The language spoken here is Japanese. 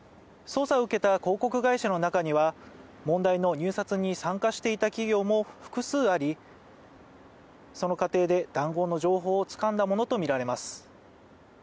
捜査を受けた広告会社の中には、問題の入札に参加していた企業も複数ありその過程で、談合の情報をつかんだものとみられます。